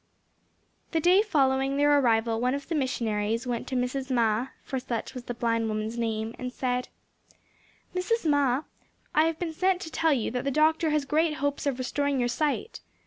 The day following their arrival one of the missionaries went to Mrs. Ma, for such was the blind woman's name, and said: "Mrs. Ma, I have been sent to tell you that the doctor has great hopes of restoring your sight.